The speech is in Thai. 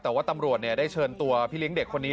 แต่ว่าตำรวจได้เชิญตัวพี่เลี้ยงเด็กคนนี้